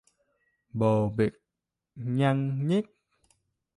Bồ bịch nhăng nhít